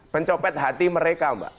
pencopet hati mereka mbak